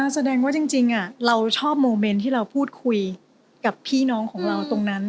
แสดงว่าจริงเราชอบโมเมนต์ที่เราพูดคุยกับพี่น้องของเราตรงนั้น